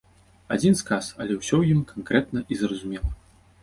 Адзін сказ, але ўсё ў ім канкрэтна і зразумела.